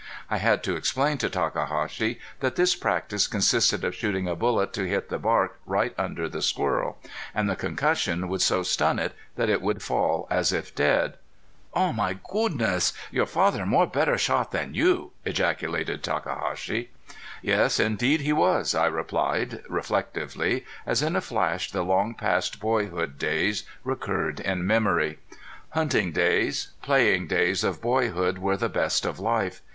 I had to explain to Takahashi that this practice consisted of shooting a bullet to hit the bark right under the squirrel, and the concussion would so stun it that it would fall as if dead. "Aw my goodnish your daddy more better shot than you!" ejaculated Takahashi. "Yes indeed he was," I replied, reflectively, as in a flash the long past boyhood days recurred in memory. Hunting days playing days of boyhood were the best of life.